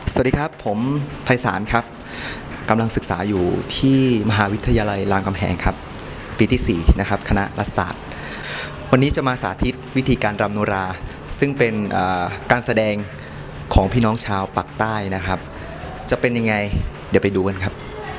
สวัสดีครับผมภัยศาลครับกำลังศึกษาอยู่ที่มหาวิทยาลัยรามกำแหงครับปีที่๔นะครับคณะรัฐศาสตร์วันนี้จะมาสาธิตวิธีการรำโนราซึ่งเป็นการแสดงของพี่น้องชาวปากใต้นะครับจะเป็นยังไงเดี๋ยวไปดูกันครับ